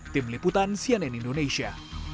tim liputan cnn indonesia